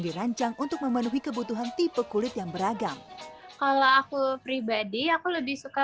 dirancang untuk memenuhi kebutuhan tipe kulit yang beragam kalau aku pribadi aku lebih suka